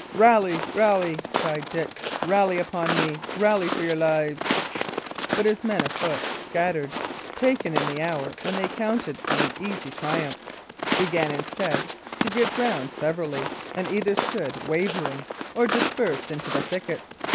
"Rally, rally!" cried Dick. "Rally upon me! Rally for your lives!" But his men afoot, scattered, taken in the hour when they had counted on an easy triumph began instead to give ground severally, and either stood wavering or dispersed into the thickets.